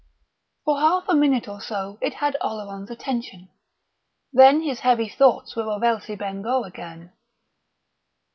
For half a minute or so it had Oleron's attention; then his heavy thoughts were of Elsie Bengough again.